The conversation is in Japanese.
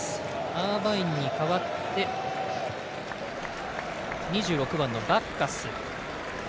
アーバインに代わって２６番のバッカス。